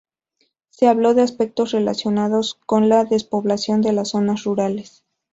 se habló de aspectos relacionados con la despoblación de las zonas rurales